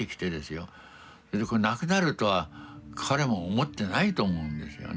これなくなるとは彼も思ってないと思うんですよね。